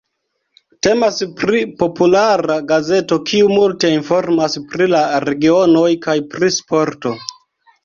Temas pri populara gazeto kiu multe informas pri la regionoj kaj pri sporto.